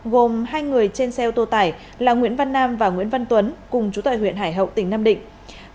gồm hai người trên xe ô tô tải là nguyễn văn nam và nguyễn văn tuấn cùng chú tại huyện hải hậu tỉnh nam định